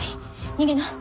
逃げな。